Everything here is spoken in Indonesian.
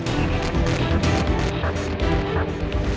sigakan duduk tante